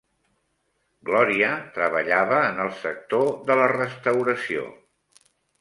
Glòria treballava en el sector de la restauració.